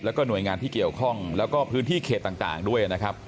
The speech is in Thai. แล้วก็หน่วยงานที่เกี่ยวข้องแล้วก็พื้นที่เขตต่างด้วยนะครับ